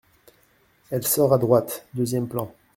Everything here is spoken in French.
Elle sort à droite, deuxième plan.